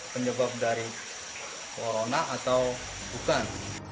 penyebab dari corona atau bukan